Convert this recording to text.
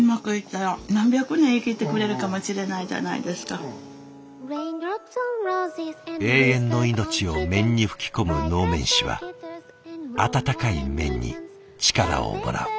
それはもう永遠の命を面に吹き込む能面師は温かい麺に力をもらう。